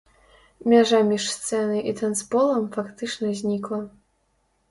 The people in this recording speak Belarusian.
Мяжа між сцэнай і танцполам фактычна знікла.